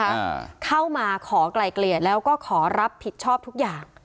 ใช่ไหมคะเข้ามาขอกลายเกลียดแล้วก็ขอรับผิดชอบทุกอย่าง